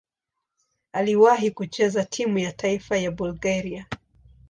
Aliwahi kucheza timu ya taifa ya Bulgaria.